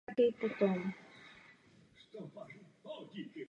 Byli zadrženi v Corku a obdrželi trest dvouletého vězení.